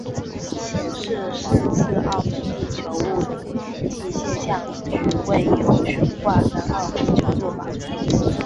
显示是次澳门地球物理暨气象局未有悬挂三号风球做法错误。